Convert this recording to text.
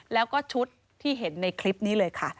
แล้วก็ชุดที่เห็นในคลิปนี้เลยค่ะ